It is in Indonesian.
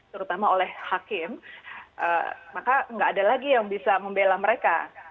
terutama oleh hakim maka nggak ada lagi yang bisa membela mereka